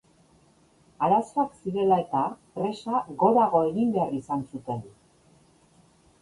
Arazoak zirela eta, presa gorago egin behar izan zuten.